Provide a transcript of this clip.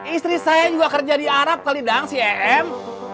istri saya juga kerja di arab kali dang si em